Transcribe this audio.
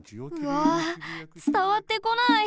うわつたわってこない！